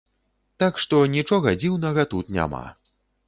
Так што, нічога дзіўнага тут няма.